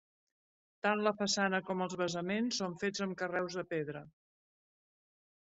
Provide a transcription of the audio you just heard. Tant la façana com els basaments són fets amb carreus de pedra.